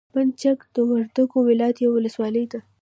بند چک د وردګو ولایت یوه ولسوالي ده.